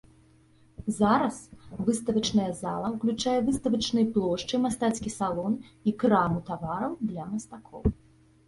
Зараз выставачная зала ўключае выставачныя плошчы, мастацкі салон і краму тавараў для мастакоў.